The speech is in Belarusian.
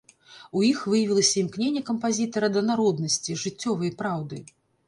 У іх выявілася імкненне кампазітара да народнасці, жыццёвай праўды.